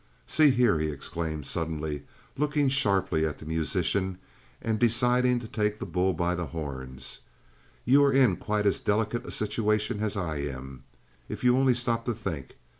"See here," he exclaimed, suddenly, looking sharply at the musician and deciding to take the bull by the horns, "you are in quite as delicate a situation as I am, if you only stop to think.